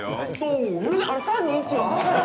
３２１は？